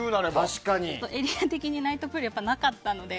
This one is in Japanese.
エリア的にナイトプールはなかったので。